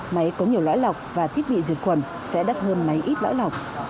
máy có nhiều lõi lọc và thiết bị diệt khuẩn sẽ đắt hơn máy ít lõi lọc